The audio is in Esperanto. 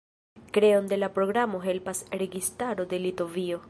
Kreon de la programo helpas registaro de Litovio.